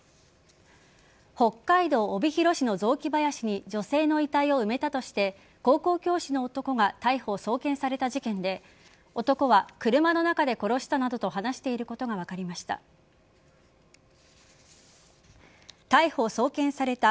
北海道帯広市の雑木林に女性の遺体を埋めたとして高校教師の男が逮捕、送検された事件で男は車の中で殺したなどと話していることが分かりました。